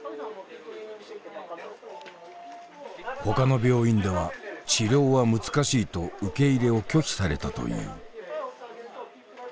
ほかの病院では治療は難しいと受け入れを拒否されたという。